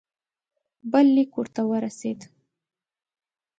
بل لیک ورته ورسېد.